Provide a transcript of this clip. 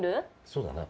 そうだな。